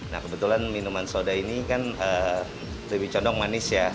nah kebetulan minuman soda ini kan lebih condong manis ya